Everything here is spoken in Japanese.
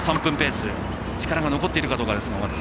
力が残っているかどうかです。